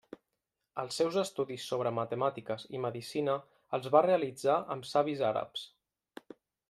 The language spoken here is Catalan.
Els seus estudis sobre matemàtiques i medicina els va realitzar amb savis àrabs.